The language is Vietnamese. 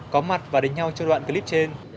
có mặt và đánh nhau trong đoạn clip trên